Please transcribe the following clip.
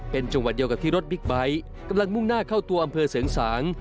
เป็นจังหวัดเดียวกับที่รถบิ๊กไบท์กำลังมุ่งหน้าเข้าตัวอำเภอเสริงสาง